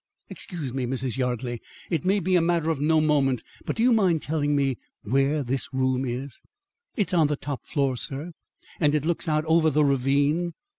"Excuse me, Mrs. Yardley, it may be a matter of no moment, but do you mind telling me where this room is?" "It's on the top floor, sir; and it looks out over the ravine.